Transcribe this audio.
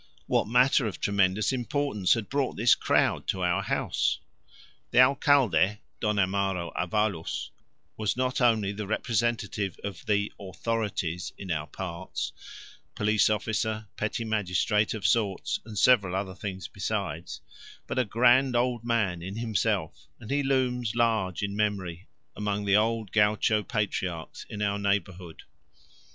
What matter of tremendous importance had brought this crowd to our house? The Alcalde, Don Amaro Avalos, was not only the representative of the "authorities" in our parts police officer, petty magistrate of sorts, and several other things besides but a grand old man in himself, and he looms large in memory among the old gaucho patriarchs in our neighbourhood.